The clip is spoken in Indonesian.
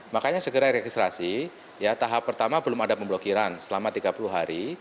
makanya segera registrasi ya tahap pertama belum ada pemblokiran selama tiga puluh hari